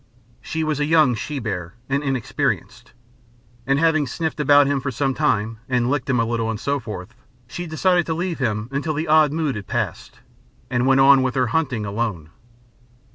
She was a young she bear, and inexperienced, and having sniffed about him for some time and licked him a little, and so forth, she decided to leave him until the odd mood had passed, and went on her hunting alone.